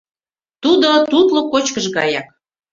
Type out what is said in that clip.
Тудо тутло кочкыш гаяк.